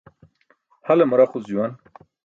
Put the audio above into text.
Hale maraquc juwan.